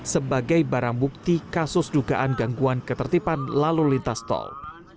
sebagai barang bukti kasus dugaan gangguan ketertiban lalu lintas tol